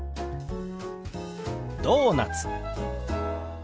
「ドーナツ」。